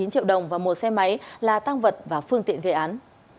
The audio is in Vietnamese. một chín triệu đồng và một xe máy là tăng vật và phương tiện gây án